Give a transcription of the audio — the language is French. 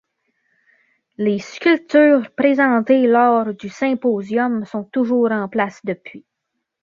Les sculptures présentées lors du symposium sont toujours en place depuis.